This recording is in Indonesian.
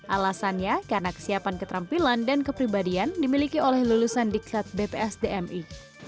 alasannya karena kesiapan keterampilan dan kepribadian dimiliki oleh lulusan diklat bpsdmi